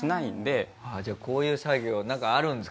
じゃあこういう作業なんかあるんですか？